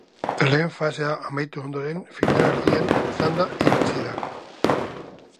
Lehen fasea amaitu ondoren finalerdien txanda iritsi da.